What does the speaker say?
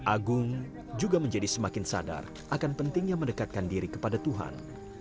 agung juga menjadi semakin sadar akan pentingnya mendekatkan diri kepada tuhan